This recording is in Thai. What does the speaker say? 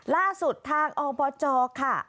ล่าสุดทางอบจค่ะ